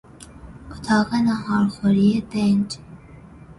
اتاق ناهارخوری دنج